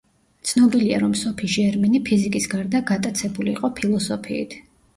ცნობილია რომ სოფი ჟერმენი ფიზიკის გარდა გატაცებული იყო ფილოსოფიით.